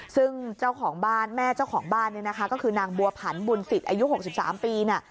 ซึ่งเจ้าของบ้านแม่เจ้าของบ้านเนี่ยนะคะก็คือนางบัวผันบุญสิทธิ์อายุ๖๓ปีเนี่ย